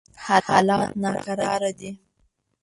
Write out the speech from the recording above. حالات ناکراره دي.